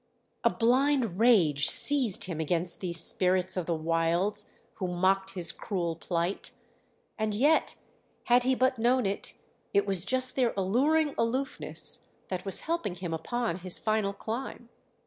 A blind rage seized him against these spirits of the wilds who mocked his cruel plight; and yet, had he but known it, it was just their alluring aloofness that was helping him upon his final climb.